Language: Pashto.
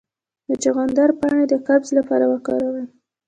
د چغندر پاڼې د قبضیت لپاره وکاروئ